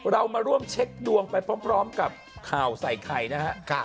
เรามาร่วมเช็คดวงไปพร้อมกับข่าวใส่ไข่นะครับ